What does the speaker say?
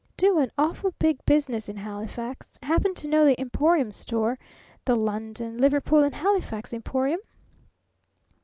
"Do an awful big business in Halifax! Happen to know the Emporium store? The London, Liverpool, and Halifax Emporium?"